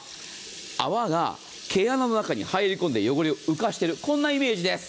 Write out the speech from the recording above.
泡が毛穴の中に入り込んで汚れを浮かせている、こんなイメージです